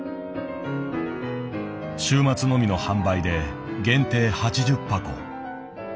週末のみの販売で限定８０箱。